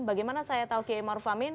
bagaimana saya tahu kiai maruf amin